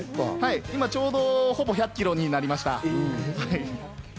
今ちょうどほぼ１００ｋｇになりました。